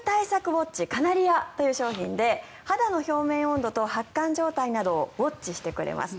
ウォッチカナリアというもので肌の表面温度や発汗状態などをウォッチしてくれます。